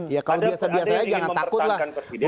ya kalau biasa biasanya jangan takutlah